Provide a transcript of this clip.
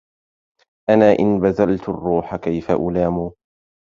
أنا إن بذلت الروح كيف ألام